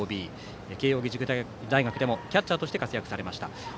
慶応義塾大学でもキャッチャーとして活躍されました。